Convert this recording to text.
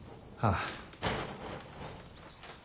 ああ。